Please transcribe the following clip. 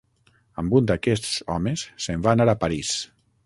Amb un d'aquests homes se'n va anar a París.